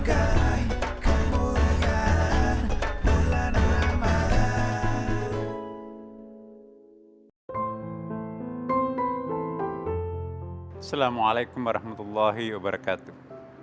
assalamualaikum warahmatullahi wabarakatuh